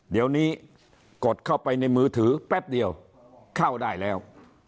เดี๋ยวนี้กดเข้าไปในมือถือแป๊บเดียวเข้าได้แล้ว